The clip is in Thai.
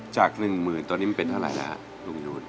จากหนึ่งหมื่นตอนนี้มันเป็นอะไรนะลุงยูน